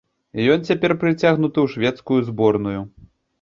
Ён цяпер прыцягнуты ў шведскую зборную.